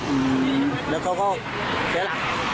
อืมแล้วเขาก็เสียหลัก